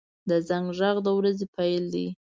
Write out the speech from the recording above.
• د زنګ غږ د ورځې پیل دی.